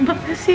terima kasih ya